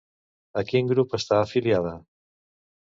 A quin grup està afiliada?